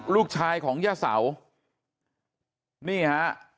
ลูกชายของย่าเสานี่ฮะ